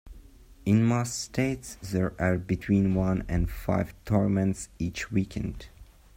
In most states, there are between one and five tournaments each weekend.